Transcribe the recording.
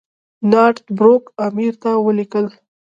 نارت بروک امیر ته ولیکل.